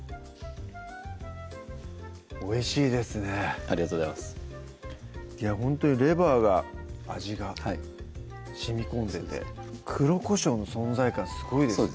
おいしいですねありがとうございますいやほんとにレバーが味がしみこんでて黒こしょうの存在感すごいですね